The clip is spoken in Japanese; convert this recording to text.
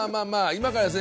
今からですね